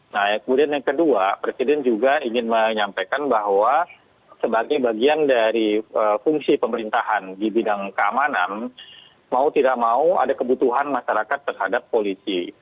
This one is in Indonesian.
nah kemudian yang kedua presiden juga ingin menyampaikan bahwa sebagai bagian dari fungsi pemerintahan di bidang keamanan mau tidak mau ada kebutuhan masyarakat terhadap polisi